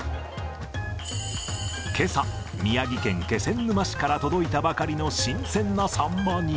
けさ、宮城県気仙沼市から届いたばかりの新鮮なサンマに。